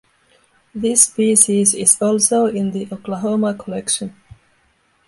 This species is also in the Oklahoma collection.